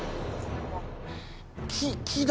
木木だ。